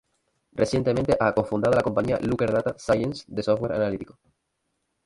Recientemente ha co-fundado la compañía Looker Data Sciences de software analítico.